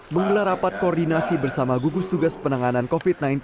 menggelar rapat koordinasi bersama gugus tugas penanganan covid sembilan belas